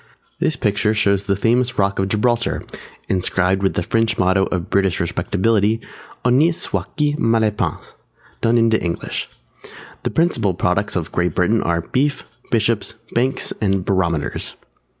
This picture shows the famous Rock of Gibraltar, inscribed with the French motto of British respectability (Honi soit qui mal y pense) done into English. The principal products of Great Britain are Beef, Bishops, Banks, and Barometers.